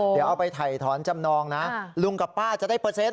เดี๋ยวเอาไปถ่ายถอนจำนองนะลุงกับป้าจะได้เปอร์เซ็นต